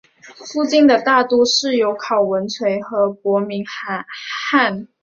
附近的大都市有考文垂和伯明翰。